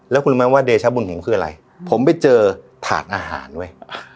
แล้วคุณรู้ไหมว่าเดชาบุญผมคืออะไรผมไปเจอถาดอาหารเว้ย